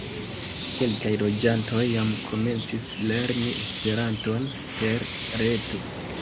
Kelkaj loĝantoj jam komencis lerni Esperanton per reto.